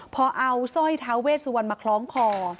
พอเอาสร้อยท้าเวสวรรณมาคล้องคอ